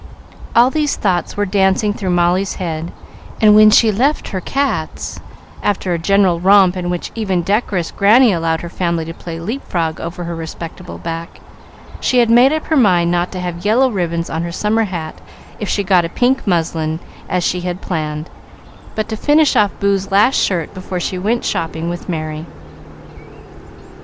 All these thoughts were dancing through Molly's head, and when she left her cats, after a general romp in which even decorous Granny allowed her family to play leap frog over her respectable back, she had made up her mind not to have yellow ribbons on her summer hat if she got a pink muslin as she had planned, but to finish off Boo's last shirt before she went shopping with Merry.